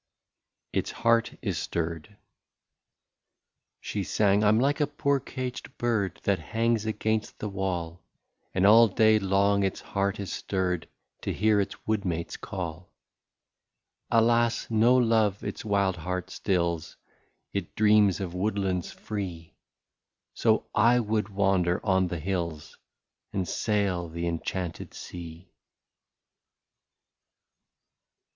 ITS HEART IS STIRRED. She sang :" I *m like a poor caged bird, That hangs against the wall, And all day long its heart is stirred, To hear its woodmates call. ■ Alas ! no love its wild heart stills, It dreams of woodlands free, — So I would wander on the hills, And sail the enchanted sea."